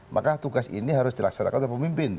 maka tugas ini harus dilaksanakan oleh pemimpin